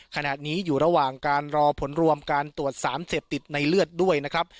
ขณะนี้อยู่ระหว่างการรอผลรวมการตรวจสารเสพติดในเลือดด้วยนะครับ